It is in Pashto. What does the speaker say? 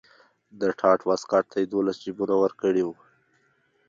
د ټاټ واسکټ ته یې دولس جیبونه ورکړي وو.